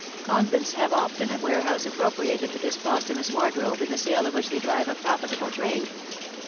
Convents have often a warehouse appropri ated to this posthumous wardrobe, in the sale of which they drive a profitable trade.